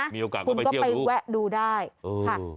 มีโอกาสก็ไปเที่ยวดูคุณก็ไปแวะดูได้เออค่ะ